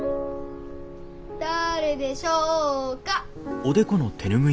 誰でしょうか。